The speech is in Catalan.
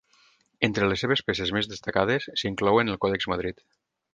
Entre les seves peces més destacades s'inclouen el Còdex Madrid.